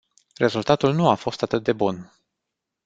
Rezultatul nu a fost atât de bun.